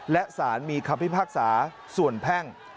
และสารมีคำพิพากษาส่วนแพ่ง